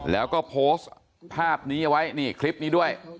แล้วก็โพสต์ภาพนี้เอาไว้นี่คลิปนี้ด้วย